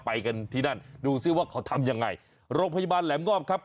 ไปกันที่นั่นดูซิว่าเขาทำยังไงโรงพยาบาลแหลมงอบครับ